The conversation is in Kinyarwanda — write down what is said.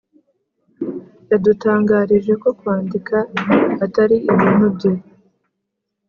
yadutangarije ko kwandika atari ibintu bye